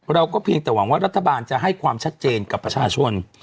เราก็เพียงแต่หวังว่ารัฐบาลจะให้ความชัดเจนกับประชาชน